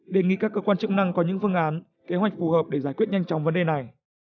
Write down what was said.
đề nghị các cơ quan chức năng có những phương án kế hoạch phù hợp để giải quyết nhanh chóng vấn đề này